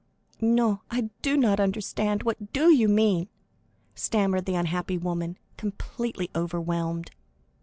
"No, I do not understand; what do you mean?" stammered the unhappy woman, completely overwhelmed.